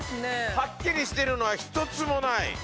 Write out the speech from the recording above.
はっきりしてるのは一つもない。